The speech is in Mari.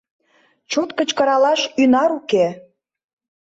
Чот кычкыралаш ӱнар уке.